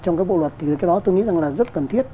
trong các bộ luật thì cái đó tôi nghĩ rằng là rất cần thiết